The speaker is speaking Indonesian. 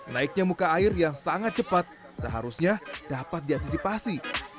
naiknya muka air yang sangat cepat seharusnya dapat diantisipasi